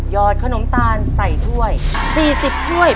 อดขนมตาลใส่ถ้วย๔๐ถ้วย